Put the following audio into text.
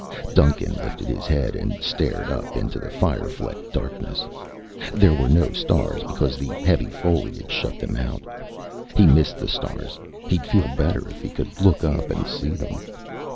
Duncan lifted his head and stared up into the fire flecked darkness. There were no stars because the heavy foliage shut them out. He missed the stars. He'd feel better if he could look up and see them.